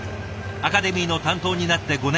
アカデミーの担当になって５年。